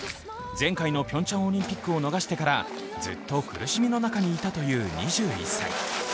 前回のピョンチャンオリンピックを逃してからずっと苦しみの中にいたという２１歳。